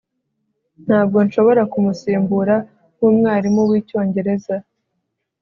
ntabwo nshobora kumusimbura nkumwarimu wicyongereza